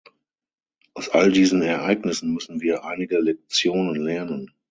Aus all diesen Ereignissen müssen wir einige Lektionen lernen.